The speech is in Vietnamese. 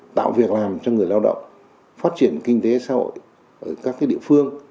tạo việc làm cho người lao động phát triển kinh tế xã hội ở các địa phương